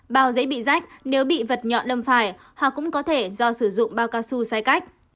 bao dễ bị rách nếu bị vật nhọn lâm phải họ cũng có thể do sử dụng bao cao su sai cách